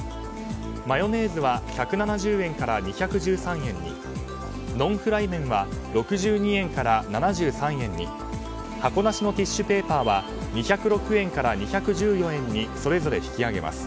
マヨネーズは１７０円から２１３円にノンフライ麺は６２円から７３円に箱なしのティッシュペーパーは２０６円から２１４円にそれぞれ引き上げます。